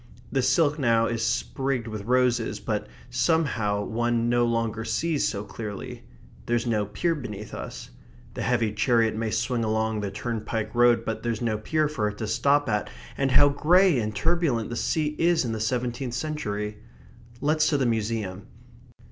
The silk now is sprigged with roses, but somehow one no longer sees so clearly. There's no pier beneath us. The heavy chariot may swing along the turnpike road, but there's no pier for it to stop at, and how grey and turbulent the sea is in the seventeenth century! Let's to the museum.